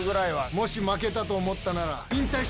もし負けたと思ったなら。